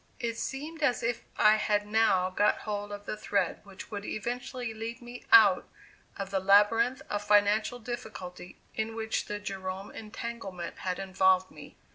It seemed as if I had now got hold of the thread which would eventually lead me out of the labyrinth of financial difficulty in which the Jerome entanglement had involved me.